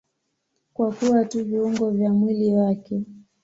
Kwa kuwa tu viungo vya mwili wake.